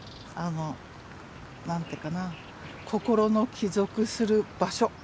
何て言うかな心の帰属する場所